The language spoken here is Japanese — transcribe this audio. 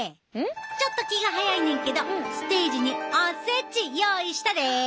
ちょっと気が早いねんけどステージにおせち用意したで！